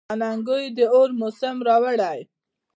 اننګو یې د اور موسم راوړی.